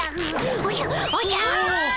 おじゃおじゃ！